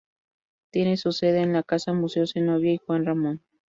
Tiene su sede en la "Casa Museo Zenobia y Juan Ramón".